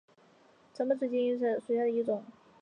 长苞紫茎为山茶科紫茎属下的一个种。